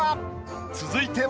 続いては。